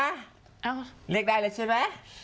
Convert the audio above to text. เรียกได้แล้วใช่ไหม